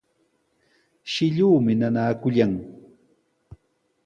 Shilluumi nanaakullan.